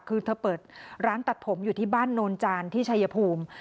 คือเธอเปิดร้านตัดผมอยู่ที่บ้านโนนจานที่ชายภูมิ